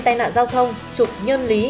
tai nạn giao thông trục nhân lý